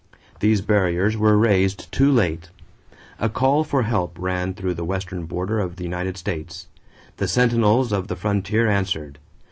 These barriers were raised too late. A call for help ran through the western border of the United States. The sentinels of the frontier answered.